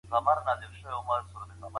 ملتونه به د سولي خبري وکړي.